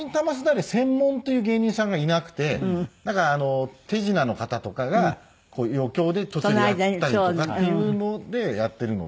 専門という芸人さんがいなくてなんか手品の方とかが余興で途中でやったりとかっていうのでやってるので。